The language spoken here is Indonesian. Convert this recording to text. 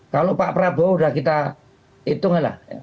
kalau pak prabowo sudah kita hitung lah